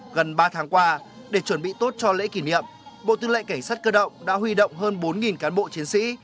gần ba tháng qua để chuẩn bị tốt cho lễ kỷ niệm bộ tư lệnh cảnh sát cơ động đã huy động hơn bốn cán bộ chiến sĩ